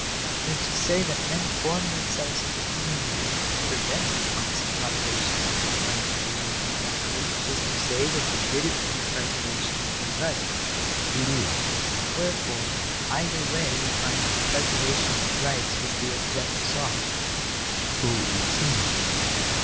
" Then to say that men formed themselves into communities to prevent the constant violation of their claims to life and property, is to say that they did it for the preservation of their rights?" "It is." " Wherefore, either way we find that the preservation of rights was the object sought." " So it would seem."